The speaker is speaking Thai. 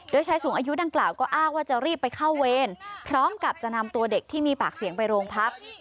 โดยชายสูงอายุดังกล่าวก็อ้างว่าจะรีบไปเข้าเวรพร้อมกับจะนำตัวเด็กที่มีปากเสียงไปโรงพัก